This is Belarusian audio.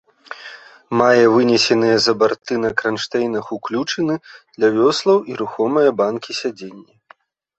Мае вынесеныя за барты на кранштэйнах уключыны для вёслаў і рухомыя банкі-сядзенні.